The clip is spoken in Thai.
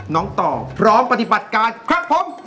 น้องต่อพร้อมปฏิบัติการครับผม